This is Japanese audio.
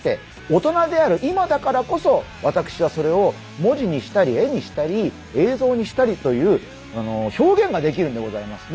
大人である今だからこそ私はそれを文字にしたり絵にしたり映像にしたりという表現ができるんでございます。